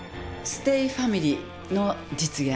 ステイファミリーの実現